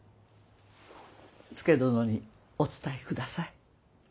佐殿にお伝えください。